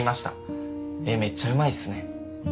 めっちゃうまいっすね。